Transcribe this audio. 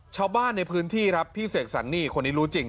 ชาวบ้านในพื้นที่ครับพี่เสกสรรนี่คนนี้รู้จริง